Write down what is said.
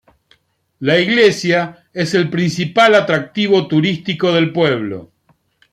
La iglesia es el principal atractivo turístico del pueblo.